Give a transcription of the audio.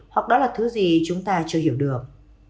hoặc đó là thứ gì chúng ta chưa hiểu được